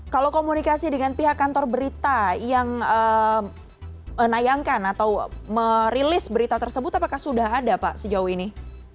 kalau komunikasi dengan pihak kantor berita yang menayangkan atau merilis berita tersebut apakah sudah ada pak sejauh ini